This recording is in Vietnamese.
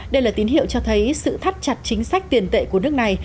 đây là tín hiệu cho thấy sự thắt chặt chính sách tiền tệ của nước này